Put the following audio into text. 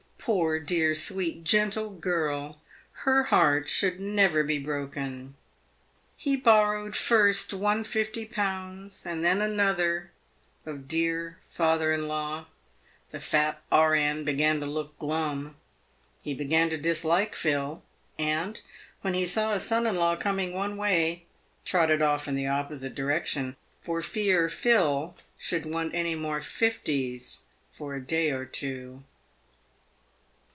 Poor, dear, sweet, gentle girl, her heart should never be broken ! He borrowed first one fifty pounds and then another of dear father in law. The fat E.N. began to look glum. He began to dislike Phil, and, when he saw his son in law coming one way, trotted off" in the opposite direction, for fear Phil should want any more fifties " for a day or two."